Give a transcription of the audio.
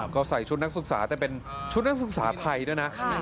ก็ใส่ชุดนักศึกษาแต่เป็นชุดนักศึกษาไทยด้วยนะ